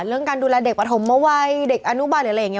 เรื่องการดูแลเด็กปฐมวัยเด็กอนุบาลหรืออะไรอย่างนี้